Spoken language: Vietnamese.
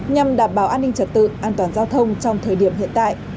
nhằm đảm bảo an ninh trật tự an toàn giao thông trong thời điểm hiện tại